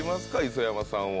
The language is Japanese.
磯山さんは。